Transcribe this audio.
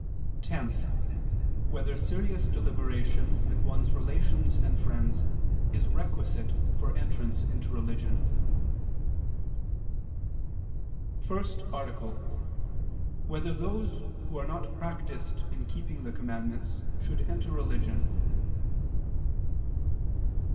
(10) Whether serious deliberation with one's relations and friends is requisite for entrance into religion? _______________________ FIRST ARTICLE [II II, Q. 189, Art. 1] Whether Those Who Are Not Practiced in Keeping the Commandments Should Enter Religion?